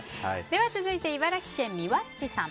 続いて、茨城県の方。